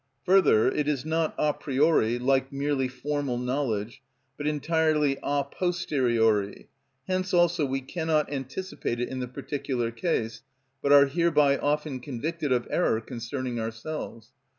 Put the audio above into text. Further, it is not a priori, like merely formal knowledge, but entirely a posteriori; hence also we cannot anticipate it in the particular case, but are hereby often convicted of error concerning ourselves.